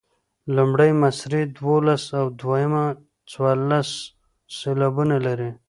لومړۍ مصرع دولس او دویمه څوارلس سېلابونه لري.